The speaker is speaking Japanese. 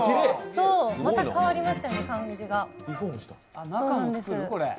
また変わりましたよね、感じが。